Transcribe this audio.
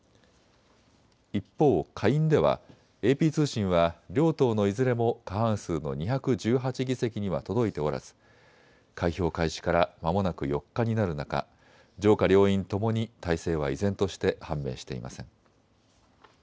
一方、下院ではＡＰ通信は両党のいずれも過半数の２１８議席には届いておらず、開票開始からまもなく４日になる中、上下両院ともに大勢は依然として判明していません。